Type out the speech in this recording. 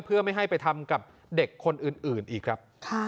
เพื่อไม่ให้ไปทำกับเด็กคนอื่นอีกครับ